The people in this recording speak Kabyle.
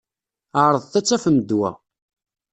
Ɛeṛḍet ad tafem ddwa.